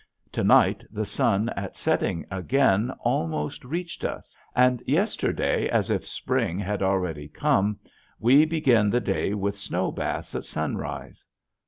To night the sun at setting again almost reached us. And yesterday as if spring had already come we begin the day with snow baths at sunrise.